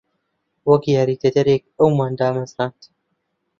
وەک یاریدەدەرێک ئەومان دامەزراند.